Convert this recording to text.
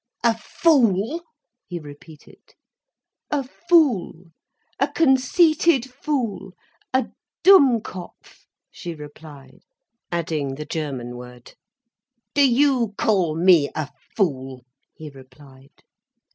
"A fool!" he repeated. "A fool, a conceited fool—a Dummkopf," she replied, adding the German word. "Do you call me a fool?" he replied.